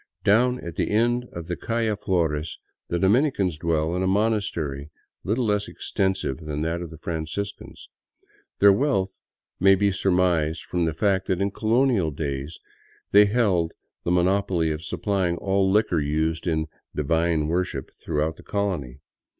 Down at the end of the calle Flores the Dominicans dwell in a monastery little less extensive than that of the Franciscans. Their wealth may be surmised from the fact that in colonial days they held the monopoly of supplying all liquor used in " divine worship " throughout the colony.